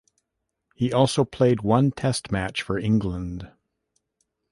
He also played one Test match for England.